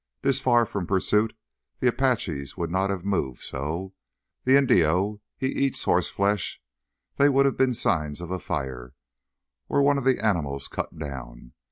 "This far from pursuit the Apaches would not have moved so. The Indio, he eats horseflesh. There would have been signs of a fire. Or one of the animals cut down.